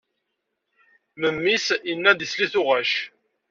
Memmi-s yenna-d isell i tuɣac.